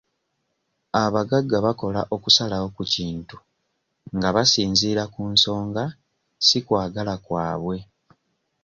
Abagagga bakola okusalawo ku kintu nga basinziira ku nsonga si kwagala kwabwe.